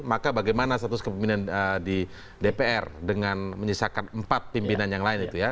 maka bagaimana status kepemimpinan di dpr dengan menyisakan empat pimpinan yang lain itu ya